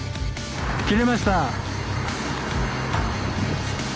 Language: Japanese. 切れました。